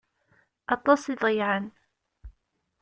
Aṭas i ḍeyyεen.